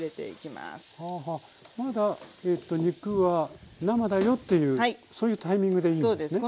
まだえと肉は生だよっていうそういうタイミングでいいんですね？